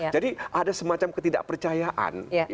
jadi ada semacam ketidakpercayaan